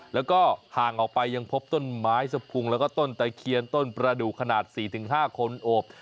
แล้วก็ห่างออกไปที่ยังพบต้นไม้สะพุงและต้นทายเคียนต้นประดุขนาดสี่ถึงห้าคนโอบ